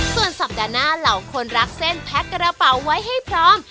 ส่วนสัปดาห์หน้าเหล่าคนรักเส้นแพ็คกระเป๋าไว้ให้พร้อม